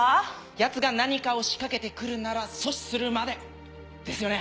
ヤツが何かを仕掛けて来るなら阻止するまで。ですよね